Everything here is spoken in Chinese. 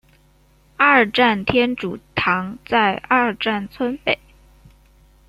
二站天主堂在二站村北。